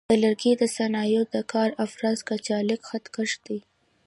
د لرګي د صنایعو د کار افزار کچالک خط کش دی.